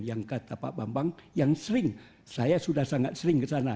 yang kata pak bambang yang sering saya sudah sangat sering ke sana